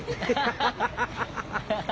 ハハハハ！